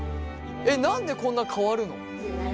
何でこんな変わるの！？